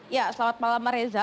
ya selamat malam mareza